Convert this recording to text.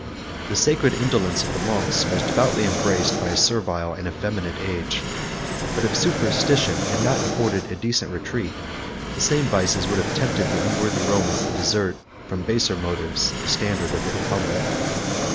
The sacred indolence of the monks was devoutly embraced by a servile and effeminate age; but if superstition had not afforded a decent retreat, the same vices would have tempted the unworthy Romans to desert, from baser motives, the standard of the republic.